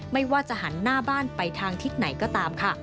ไม่ว่าจะหันหน้าบ้านไปทางทิศไหนก็ตามค่ะ